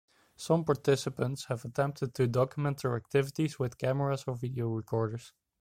Some participants have attempted to document their activities with cameras or video recorders.